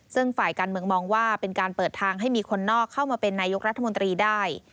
ซึ่งฝ่ายการเมืองมองว่าเป็นการเปิดทางให้มีคนนอกเข้ามาเป็นนายกรัฐมนตรีได้